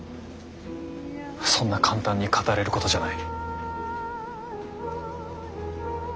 そんな簡単に語れることじゃない。